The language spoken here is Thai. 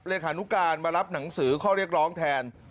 เลขานุการมารับหนังสือข้อเรียกร้องแทน